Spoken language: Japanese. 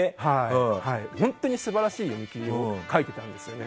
本当に素晴らしい読み切りを描いてたんですね。